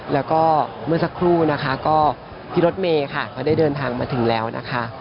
แล้วก็เมื่อสักครู่นะคะก็พี่รถเมย์ค่ะก็ได้เดินทางมาถึงแล้วนะคะ